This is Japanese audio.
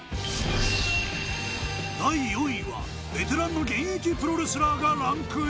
第４位はベテランの現役プロレスラーがランクイン。